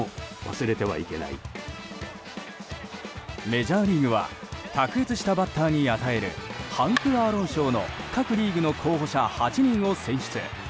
メジャーリーグは卓越したバッターに与えるハンク・アーロン賞の各リーグの候補者８人を選出。